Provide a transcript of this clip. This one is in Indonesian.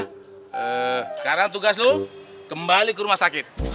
sekarang tugas lo kembali ke rumah sakit